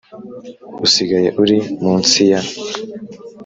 usigaye uri munsi ya